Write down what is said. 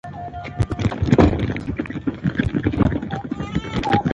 • بښل خدای ته نېږدې کوي.